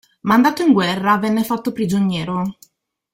Mandato in guerra, venne fatto prigioniero.